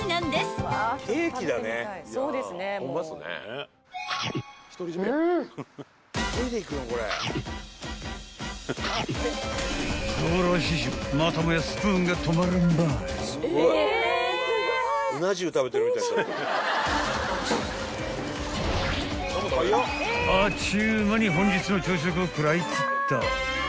［あっちゅう間に本日の朝食を食らいきった］